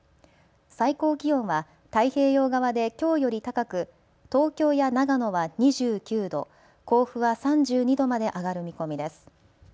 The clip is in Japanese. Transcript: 最高気温は太平洋側できょうより高く東京や長野は２９度、甲府は３２度まで上がる見込みです。